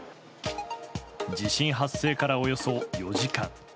地震発生から、およそ４時間。